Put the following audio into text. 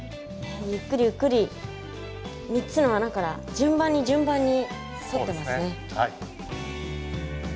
ゆっくりゆっくり３つの穴から順番に順番に。